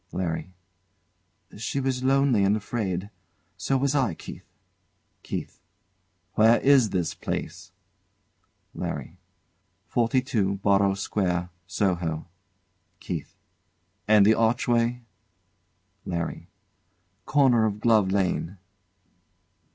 LARRY. She way lonely and afraid. So was I, Keith. KEITH. Where is this place? LARRY. Forty two Borrow Square, Soho. KEITH. And the archway? LARRY. Corner of Glove Lane.